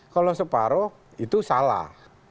kalau separoh itu salah